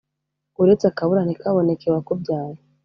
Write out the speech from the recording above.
uretse akabura ntikabone wakubyaye